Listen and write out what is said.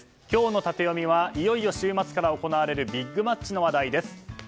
今日のタテヨミはいよいよ週末から行われるビッグマッチの話題です。